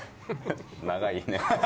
長いね。